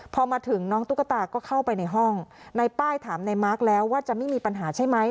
พอมาถึงน้องตุ๊กตาก็เข้าไปในห้องในป้ายถามในมาร์คแล้วว่าจะไม่มีปัญหาใช่ไหม